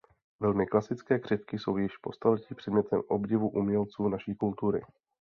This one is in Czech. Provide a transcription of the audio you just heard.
Velmi klasické křivky jsou již po staletí předmětem obdivu umělců naší kultury.